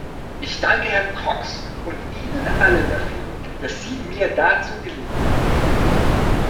Ich danke Herrn Cox und Ihnen allen dafür, dass Sie mir dazu Gelegenheit geben.